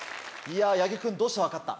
八木君どうして分かった？